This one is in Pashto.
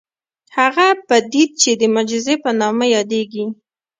هغه پديده چې د معجزې په نامه يادېږي.